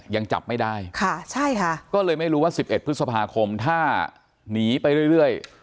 ยังจับไม่ได้ค่ะใช่ค่ะก็เลยไม่รู้ว่าสิบเอ็ดพฤษภาคมถ้านีไปเรื่อยเรื่อย